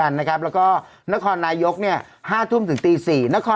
และก็นครนายกริมัน๕ทุ่มถึง๔จังหวัด